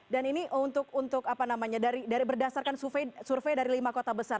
dan ini untuk berdasarkan survei dari lima kota besar